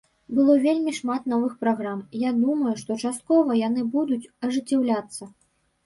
Было вельмі шмат новых праграм, я думаю, што часткова яны будуць ажыццяўляцца.